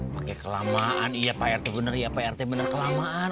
pake kelamaan iya pak rt bener ya pak rt bener kelamaan